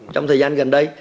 trong thời gian gần đây